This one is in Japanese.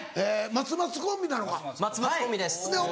松松コンビです。